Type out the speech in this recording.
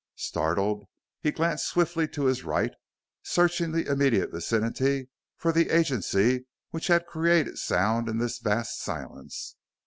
Startled, he glanced swiftly to his right, searching the immediate vicinity for the agency which had created sound in this vast silence.